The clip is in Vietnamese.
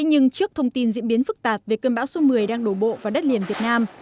nhưng trước thông tin diễn biến phức tạp về cơn bão số một mươi đang đổ bộ vào đất liền việt nam